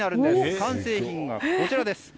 完成品がこちらです。